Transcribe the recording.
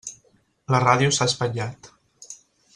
La ràdio s'ha espatllat.